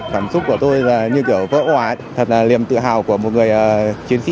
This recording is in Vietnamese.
cảm xúc của tôi là như kiểu vỡ hoạt thật là liềm tự hào của một người chiến sĩ cảnh pháp phòng cháy cháy